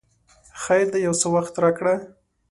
خیر دی یو څه وخت راکړه!